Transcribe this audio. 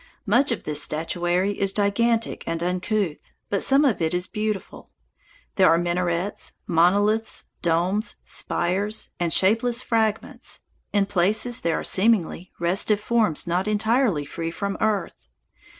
Much of this statuary is gigantic and uncouth, but some of it is beautiful. There are minarets, monoliths, domes, spires, and shapeless fragments. In places there are, seemingly, restive forms not entirely free from earth.